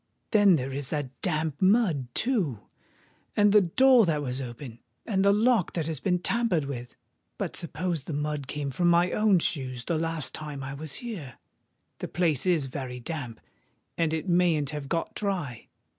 "Then there is that damp mud, too—and the door that was open—and the lock that has been tampered with! But suppose the mud came from my own shoes the last time I was here? the place is very damp—and it mayn't have got dry.